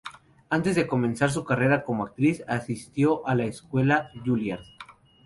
Antes de comenzar su carrera como actriz, asistió a la Escuela Juilliard.